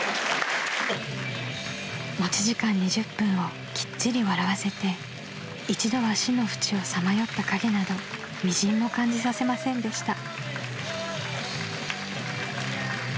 ［持ち時間２０分をきっちり笑わせて一度は死の淵をさまよった陰などみじんも感じさせませんでした］